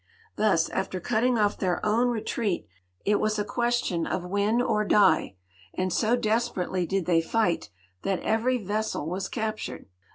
Thus, after cutting off their own re treat, it was a question of win or die, and so desperately did they fight that every vessel was captured.